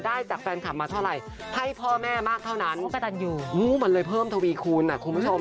ได้จากแฟนคลับมาเท่าไหร่ให้พ่อแม่มากเท่านั้นเลยเพิ่มทวีคูณอ่ะคุณผู้ชม